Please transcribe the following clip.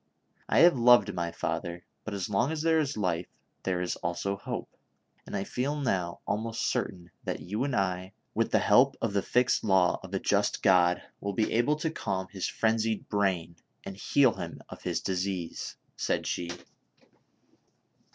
I have loved my father ; but as long as there is life there is also hope, and I feel now almost certain that you and I, with tlie help of the fixed law of a just God, will be able to calm his frenzied brain and heal him of his disease !" said she.